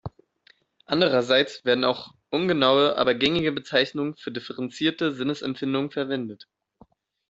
Andererseits werden auch ungenaue, aber gängige Bezeichnungen für differenzierte Sinnesempfindungen verwendet.